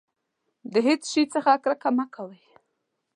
د هېڅ شي څخه کرکه مه کوه.